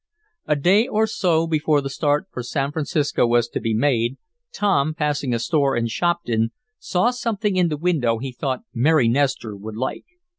A day or so before the start for San Francisco was to be made, Tom, passing a store in Shopton, saw something in the window he thought Mary Nestor would like.